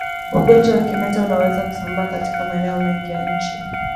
Ugonjwa wa kimeta unaweza kusambaa katika maeneo mengi ya nchi